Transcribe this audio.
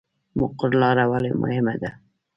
مقر لاره ولې مهمه ده؟